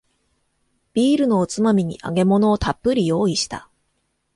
ビールのおつまみに揚げ物をたっぷり用意した